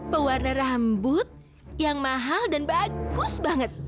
pewarna rambut yang mahal dan bagus banget